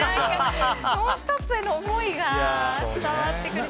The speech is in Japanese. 「ノンストップ！」への思いが伝わってくるし。